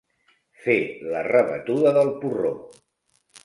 Fer la rebatuda del porró.